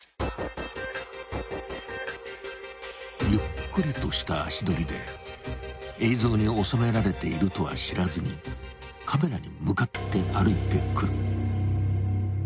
［ゆっくりとした足取りで映像に収められているとは知らずにカメラに向かって歩いてくる］